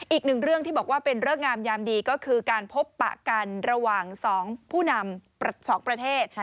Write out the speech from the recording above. อีกหนึ่งเรื่องที่บอกว่าเป็นเรื่องงามยามดีก็คือการพบปะกันระหว่าง๒ผู้นำสองประเทศ